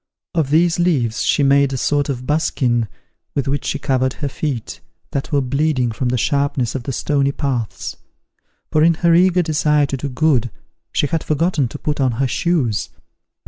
Of these leaves she made a sort of buskin, with which she covered her feet, that were bleeding from the sharpness of the stony paths; for in her eager desire to do good, she had forgotten to put on her shoes.